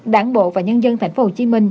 đảng bộ và nhân dân tp hcm